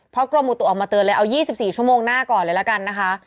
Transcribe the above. เพราะกรมมูตุออกมาเตือนเลยเอายี่สิบสี่ชั่วโมงหน้าก่อนเลยแล้วกันนะคะ